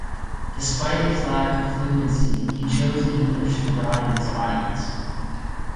Despite his lack of fluency, he chose English to broaden his audience.